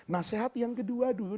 nasihat yang kedua dulu